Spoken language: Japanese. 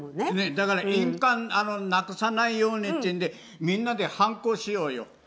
だから印鑑なくさないようにってんでみんなでハンコしようよ。